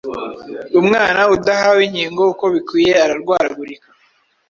Umwana udahawe inkingo uko bikwiye ararwaragurika